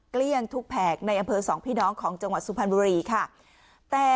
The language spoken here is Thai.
เกลี้ยงทุกแผงในอ่ระเบิ้ลสองพี่น้องของจังหวัดศุภัณฑ์บุรีค่ะ